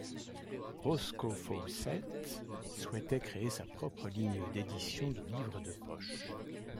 Roscoe Fawcett souhaitait créer sa propre ligne d'édition de livres de poche.